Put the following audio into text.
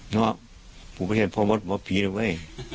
เนอะปู่ประเทศพรบปีซ์เลยเว้ย